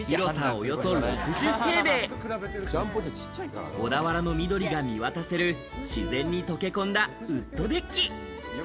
およそ６０平米、小田原の緑が見渡せる、自然に溶け込んだウッドデッキ。